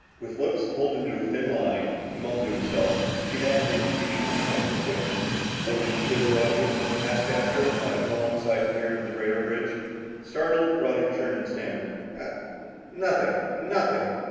With lips pulled into a thin line, he mumbled to himself: "Too bad they didn't give you this kind of equipment." "What'd you say, Roger?" asked Astro, climbing alongside to peer into the radar bridge. Startled, Roger turned and stammered, "Ah nothing nothing."